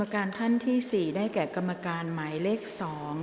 การท่านที่๔ได้แก่กรรมการหมายเลข๒